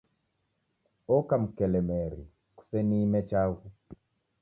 Oka mkelemeri Kuseniime chaghu